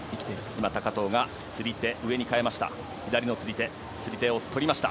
今、高藤が釣り手を変えました。